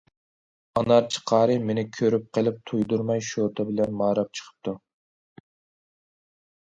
ئانارچى قارى مېنى كۆرۈپ قېلىپ تۇيدۇرماي شوتا بىلەن ماراپ چىقىپتۇ.